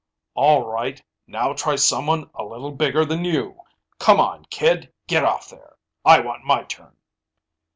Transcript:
"All right, now try someone a little bigger than you. Come on, kid, get off there. I want my turn."